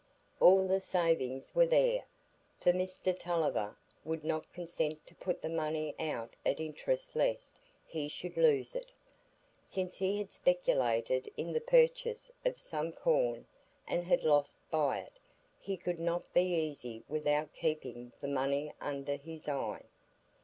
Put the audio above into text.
All the savings were there; for Mr Tulliver would not consent to put the money out at interest lest he should lose it. Since he had speculated in the purchase of some corn, and had lost by it, he could not be easy without keeping the money under his eye.